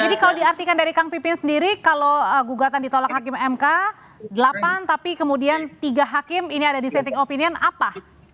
jadi kalau diartikan dari kang pipin sendiri kalau gugatan ditolak hakim mk delapan tapi kemudian tiga hakim ini ada dissenting opinion apa